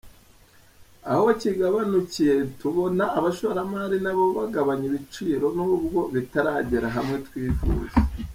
Aho kigabanukiye, tubona abashoramari nabo bagabanya ibiciro nubwo bitaragera hamwe twifuza.